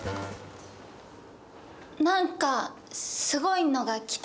何かすごいのが来たね。